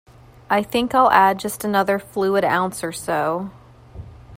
I think I'll add just another fluid ounce or so.